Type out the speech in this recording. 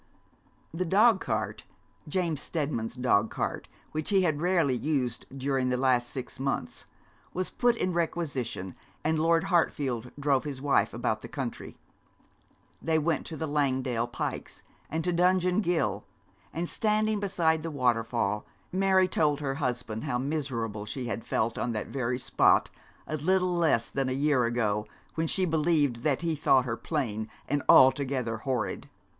The dogcart, James Steadman's dogcart, which he had rarely used during the last six months, was put in requisition and Lord Hartfield drove his wife about the country. They went to the Langdale Pikes, and to Dungeon Ghyll; and, standing beside the waterfall, Mary told her husband how miserable she had felt on that very spot a little less than a year ago, when she believed that he thought her plain and altogether horrid.